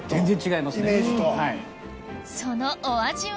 そのお味は？